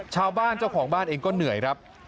ชาวบ้านเจ้าของบ้านเองก็เหนื่อยครับ